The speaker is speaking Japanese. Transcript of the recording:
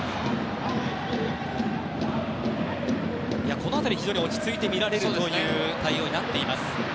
この辺り非常に落ち着いて見られる対応になっています。